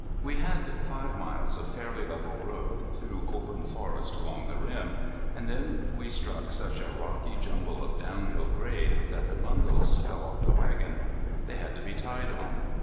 We had five miles of fairly level road through open forest along the rim, and then we struck such a rocky jumble of downhill grade that the bundles fell off the wagon. They had to be tied on.